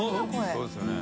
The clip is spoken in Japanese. そうですよね。）